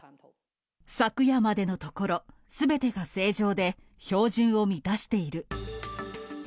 昨夜までのところ、すべてが正常で、標準を満たしている。